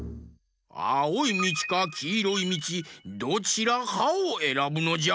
あおいみちかきいろいみちどちらかをえらぶのじゃ。